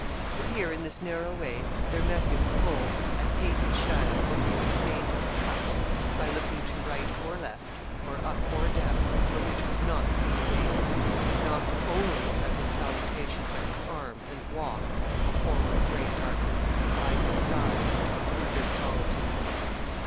But here in this narrow way there met him full a hated shadow whom he would fain have 'cut,' by looking to right or left, or up or down, but which was not to be evaded would not only have his salutation but his arm, and walked a horror of great darkness, by his side through this solitude.